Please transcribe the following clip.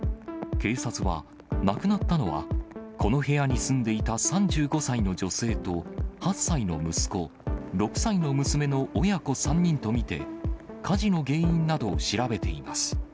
警察は、亡くなったのはこの部屋に住んでいた３５歳の女性と８歳の息子、６歳の娘の親子３人と見て、火事の原因などを調べています。